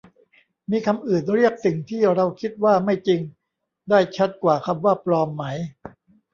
มีคำอื่นเรียกสิ่งที่เราคิดว่าไม่จริงได้ชัดกว่าคำว่า ปลอม ไหม